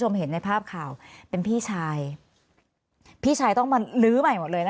เห็นในภาพข่าวเป็นพี่ชายพี่ชายต้องมาลื้อใหม่หมดเลยนะคะ